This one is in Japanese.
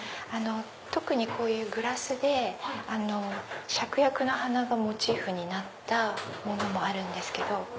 特にこういうグラスでシャクヤクの花がモチーフになったものもあるんです。